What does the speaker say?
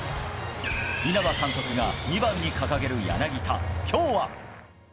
稲葉監督が２番に掲げる柳田今日は。